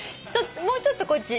もうちょっとこっち。